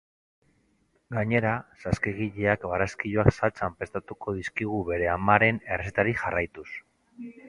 Gainera, saskigileak barraskiloak saltsan prestatuko dizkigu bere amaren errezetari jarraituz.